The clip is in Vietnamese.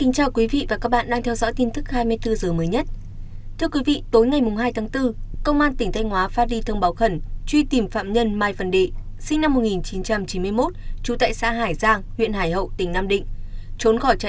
các bạn hãy đăng ký kênh để ủng hộ kênh của chúng mình nhé